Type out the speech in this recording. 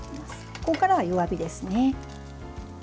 ここからは弱火ですね。